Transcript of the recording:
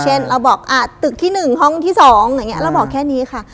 เช่นเราบอกตึกที่๑ห้องที่๒อย่างนี้เราบอกแค่นี้ค่ะ